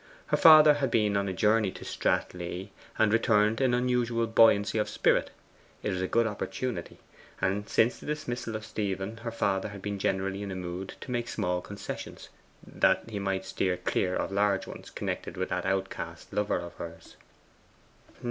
Her father had been on a journey to Stratleigh, and returned in unusual buoyancy of spirit. It was a good opportunity; and since the dismissal of Stephen her father had been generally in a mood to make small concessions, that he might steer clear of large ones connected with that outcast lover of hers.